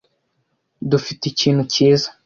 dufite ikintu cyiza